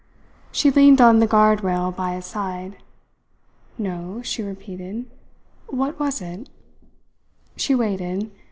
She leaned on the guard rail by his side. "No," she repeated. "What was it?" She waited.